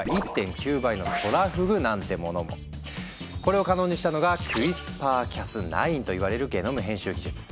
他にもこれを可能にしたのがクリスパー・キャスナインといわれるゲノム編集技術。